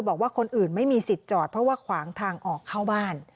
บอกว่าคนอื่นไม่มีสิทธิ์จอดเพราะว่าขวางทางออกเข้าบ้าน